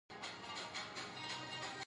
تالابونه د افغانستان د جغرافیې بېلګه ده.